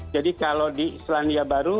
jadi kalau di selandia baru